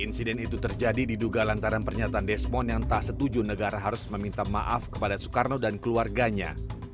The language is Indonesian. insiden itu terjadi diduga lantaran pernyataan desmond yang tak setuju negara harus meminta maaf kepada soekarno dan keluarganya